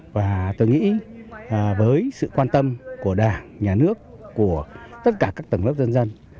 và tôi nghĩ với sự quan tâm của đảng nhà nước của tất cả các tầng lớp dân dân